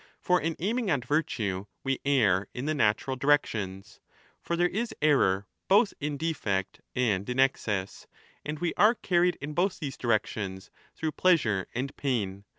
For in aiming at virtue we err in the natural directions. For there is error both in defect and in excess, and we are carried 30 in both these directions through pleasure and pain.